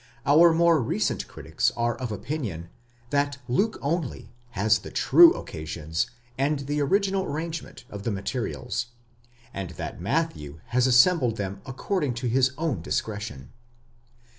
our more recent critics are of opinion that Luke only has the true occasions and the original arrangement of the materials, and that Matthew has assembled them according to his own: discretion.